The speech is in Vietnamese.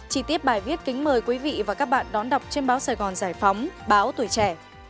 chỉ tiếp bài viết kính mời quý vị và các bạn đón đọc trên báo sài gòn giải phóng báo tuổi trẻ